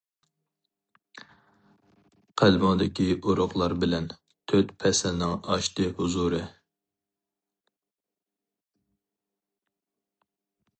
قەلبىڭدىكى ئۇرۇقلار بىلەن، تۆت پەسىلنىڭ ئاشتى ھۇزۇرى.